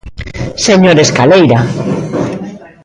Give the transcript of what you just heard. Señor Escaleira.